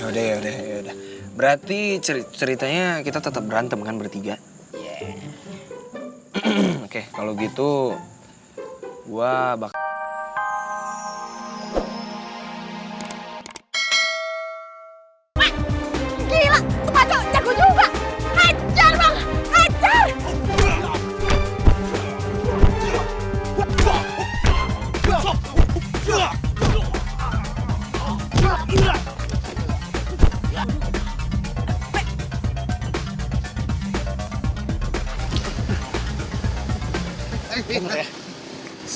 ya udah ya udah berarti ceritanya kita tetap berantem kan bertiga oke kalau gitu gua bakal